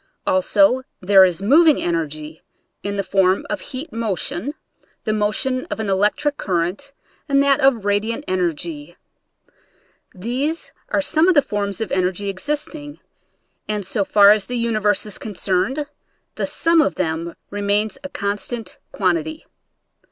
Also there is moving energy in the form of heat motion, the motion of an electric current and that of radiant energy. These i*re some of the forms of energy existing, and so far as the universe is concerned the sum of them remains a con stant quantity.